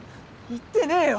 言ってねえよ！